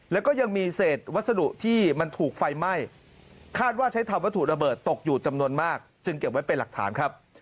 แล้วก็ยังมีเศษวัสดุที่มันถูกไฟไหม้คาดว่าใช้ทำวัตถุระเบิดตกอยู่จำนวนมากจึงเก็บไว้เป็นหลักฐานครับ